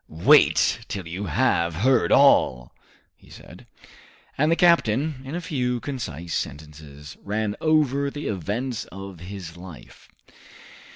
"Wait till you have heard all," he said. And the captain, in a few concise sentences, ran over the events of his life.